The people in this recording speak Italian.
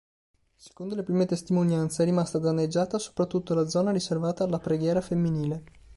Secondo le prime testimonianze, è rimasta danneggiata soprattutto la zona riservata alla preghiera femminile.